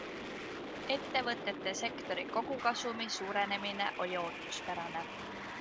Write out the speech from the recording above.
Ettevõtetesektori kogukasumi suurenemine oli ootuspärane.